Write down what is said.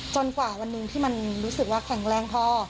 กว่าวันหนึ่งที่มันรู้สึกว่าแข็งแรงพอ